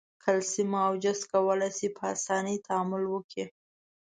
کلسیم او جست کولای شي په آساني تعامل وکړي.